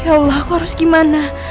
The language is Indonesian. ya allah aku harus gimana